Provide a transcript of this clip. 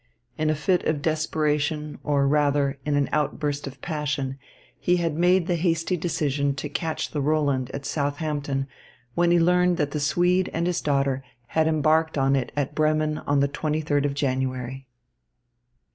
In a fit of desperation, or, rather, in an outburst of passion, he had made the hasty decision to catch the Roland at Southampton when he learned that the Swede and his daughter had embarked on it at Bremen on the twenty third of January.